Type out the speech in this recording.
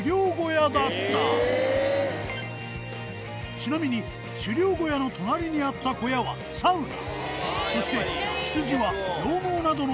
ちなみに狩猟小屋の隣にあった小屋はサウナ。